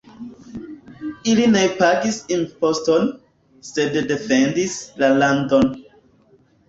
Ili ne pagis imposton, sed defendis la landon.